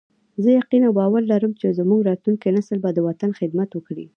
زه یقین او باور لرم چې زموږ راتلونکی نسل به د وطن خدمت وکړي